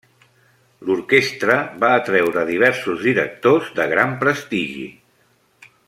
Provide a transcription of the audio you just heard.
L'orquestra va atreure diversos directors de gran prestigi.